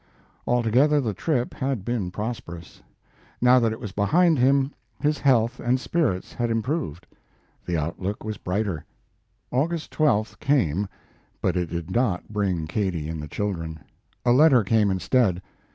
Altogether, the trip had been prosperous. Now that it was behind him, his health and spirits had improved. The outlook was brighter. August 12th came, but it did not bring Katie and the children. A letter came instead.